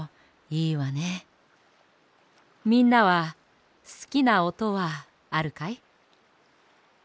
みんなはすきなおとはあるかい？